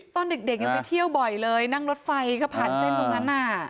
ตอนเด็กยังไปเที่ยวบ่อยเลยนั่งรถไฟก็ผ่านเส้นตรงนั้นน่ะ